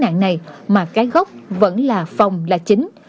nạn này mà cái gốc vẫn là phòng là chính